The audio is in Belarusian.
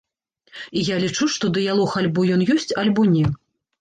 І я лічу, што дыялог альбо ён ёсць, альбо не.